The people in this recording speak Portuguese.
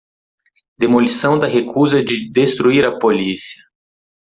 Demolição da recusa de destruir a polícia